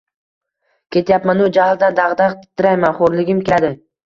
Ketyapmanu jahldan dagʻ-dagʻ titrayman, xoʻrligim keladi.